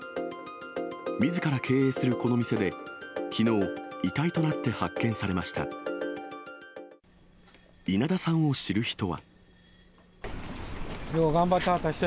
みずから経営するこの店で、きのう、遺体となって発見されました。